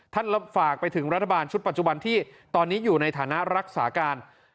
ฝากไปถึงรัฐบาลชุดปัจจุบันที่ตอนนี้อยู่ในฐานะรักษาการ